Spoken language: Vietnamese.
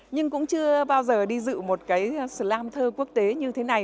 nhưng cũng chưa bao giờ đi dự một cái slam thơ quốc tế này